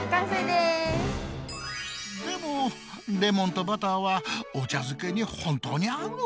でもレモンとバターはお茶漬けに本当に合うのか？